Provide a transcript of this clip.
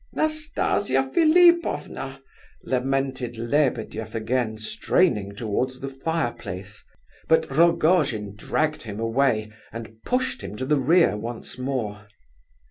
"Nastasia Philipovna!" lamented Lebedeff again, straining towards the fireplace; but Rogojin dragged him away, and pushed him to the rear once more.